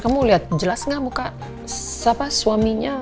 kamu liat jelas ga muka siapa suaminya